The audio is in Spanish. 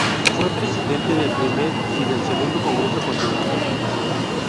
Fue Presidente del primer y del segundo Congreso Continental.